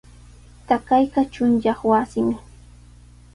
Taqayqa chunyaq wasimi.